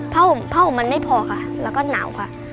ผ้าห่มผ้าห่มมันไม่พอค่ะแล้วก็หนาวค่ะ